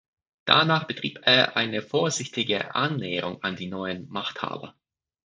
Danach betrieb er eine vorsichtige Annäherung an die neuen Machthaber.